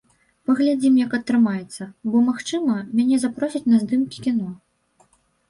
Паглядзім, як атрымаецца, бо, магчыма, мяне запросяць на здымкі кіно.